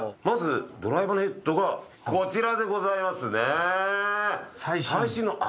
まずドライバーのヘッドがこちらでございますね。